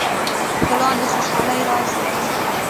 ګلان د خوشحالۍ راز لري.